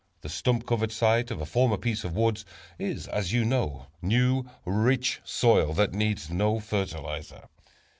The stump covered site of a former piece of woods, is, as you know, new, rich soil that needs no fertilizer.